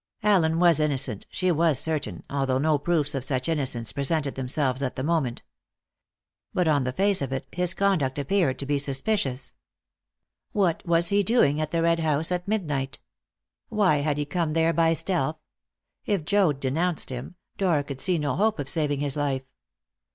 Allen was innocent, she was certain, although no proofs of such innocence presented themselves at the moment. But, on the face of it, his conduct appeared to be suspicious. What was he doing at the Red House at midnight? Why had he come there by stealth? If Joad denounced him, Dora could see no hope of saving his life.